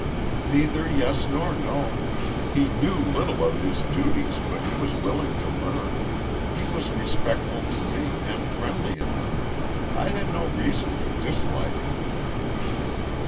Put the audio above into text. "Neither yes nor no. He knew little of his duties, but he was willing to learn. He was respectful to me, and friendly enough. I had no reason to dislike him."